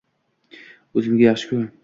o‘zimga yaxshi-ku!